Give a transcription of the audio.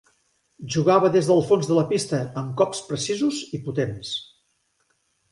Jugava des del fons de la pista amb cops precisos i potents.